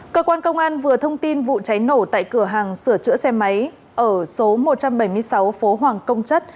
cơ quan công an vừa thông tin vụ cháy nổ tại cửa hàng sửa chữa xe máy ở số một trăm bảy mươi sáu phố hoàng công chất